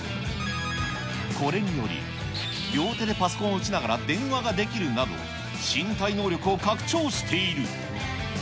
これにより、両手でパソコンを打ちながら電話ができるなど、身体能力を拡張している。